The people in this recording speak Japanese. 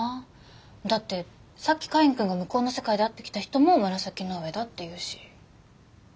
だってさっきカインくんが向こうの世界で会ってきた人も紫の上だっていうし。